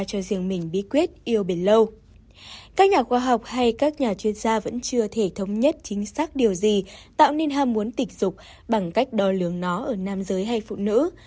các nhà khoa học hay các nhà chuyên gia vẫn chưa thể thống nhất chính xác điều gì tạo nên ham muốn tình dục bằng cách đo lường nó ở nam giới hay phụ nữ